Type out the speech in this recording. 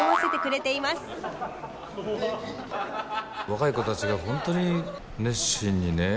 若い子たちが本当に熱心にね